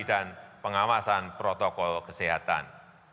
dan pengawasan protokol kesehatan